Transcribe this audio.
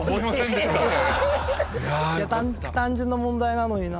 単純な問題なのにな。